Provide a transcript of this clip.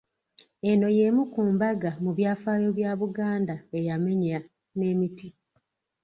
Eno y’emu ku mbaga mu byafaayo bya Buganda eyamenya n’emiti.